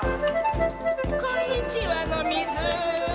こんにちはのミズ。